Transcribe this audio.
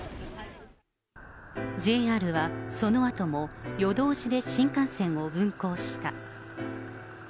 ＪＲは、そのあとも夜通しで新幹線を運行した。